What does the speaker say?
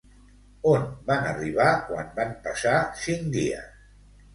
On van arribar quan van passar cinc dies?